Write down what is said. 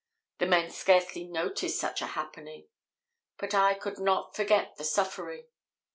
The men scarcely notice such a happening, but I could not forget the suffering.